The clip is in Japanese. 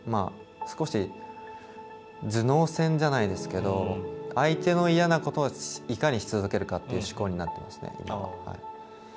少し頭脳戦じゃないですけど相手の嫌なことをいかにし続けるかという思考になっていますね、今は。